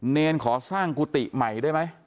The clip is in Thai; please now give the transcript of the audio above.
เนรขอสร้างกุฏิใหม่ได้ไหม